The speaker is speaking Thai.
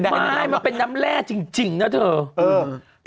ไม่มันเป็นน้ำแร่จริงนะเธอ